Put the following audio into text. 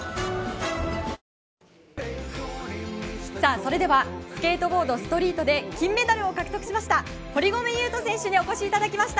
それではスケートボード・ストリートで金メダルを獲得しました堀米雄斗選手にお越しいただきました。